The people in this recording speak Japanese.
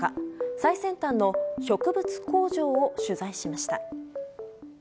最先端の植物工場を取材しました。